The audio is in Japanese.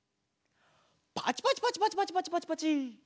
パチパチパチパチパチパチパチパチ。